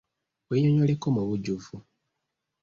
Wennyonnyoleko mu bujjuvu.